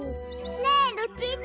ねえルチータ。